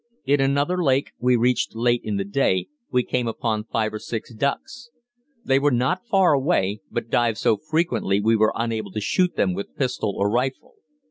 In another lake we reached late in the day we came upon five or six ducks. They were not far away, but dived so frequently we were unable to shoot them with pistol or rifle.